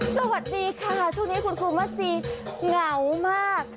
สวัสดีค่ะช่วงนี้คุณครูมัสซีเหงามาก